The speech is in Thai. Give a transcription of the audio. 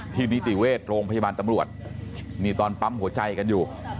นิติเวชโรงพยาบาลตำรวจนี่ตอนปั๊มหัวใจกันอยู่